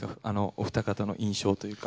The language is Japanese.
お二方の印象というか。